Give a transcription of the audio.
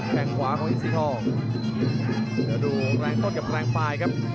แข่งขวาของอินสีทองแล้วดูแรงต้นกับแรงปลายครับ